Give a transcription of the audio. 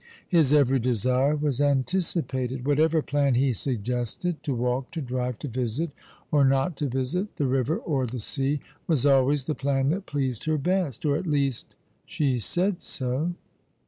His every desire was anticipated. Whatever plan he suggested — to Vv'alk, to drive, to visit, or not to visit — the river or the sea — was always the plan that pleased her best, or at least she said so.